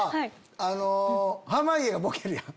濱家がボケるやん。